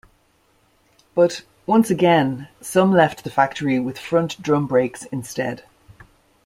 But, once again, some left the factory with front drum brakes instead.